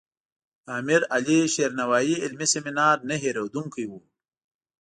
د امیر علي شیر نوایي علمي سیمینار نه هیریدونکی و.